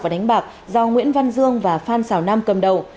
và đánh bạc do nguyễn văn dương và phan xào nam cầm đầu